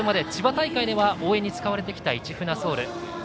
千葉大会では応援に使われてきた「市船ｓｏｕｌ」。